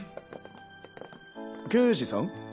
刑事さん？